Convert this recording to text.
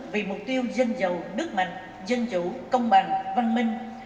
vì mục tiêu dân giàu nước mạnh dân chủ công bằng văn minh